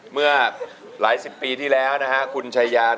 เมื่อหลายสิบปีที่แล้วนะฮะ